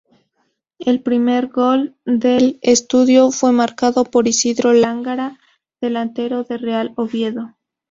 El primer gol del estadio fue marcado por Isidro Lángara, delantero del Real Oviedo.